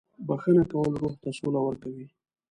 • بښنه کول روح ته سوله ورکوي.